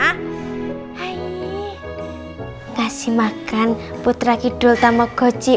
kasih makan putra kidul tamagotchi